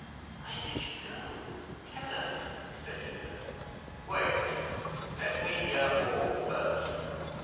'Where did you go? Tell us,' said Una. 'Wait. Let me hear all first.'